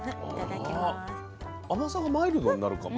甘さがマイルドになるかも。